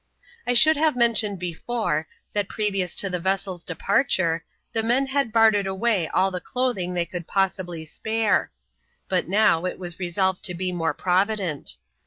I should have mentioned before, that previous to the vessel's (kparture the men had bartered away all the clothing they could possibly spore ; but now, it was resolved to be more provident.